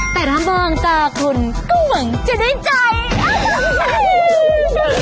แต่ถ้ามองตาคุณก็เหมือนจะได้ใจ